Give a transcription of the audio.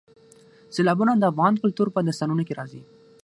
سیلابونه د افغان کلتور په داستانونو کې راځي.